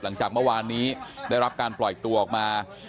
หลังจากเมื่อวานนี้ได้รับการปล่อยตัวออกมา